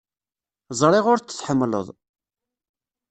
Ẓriɣ ur t-tḥemmleḍ.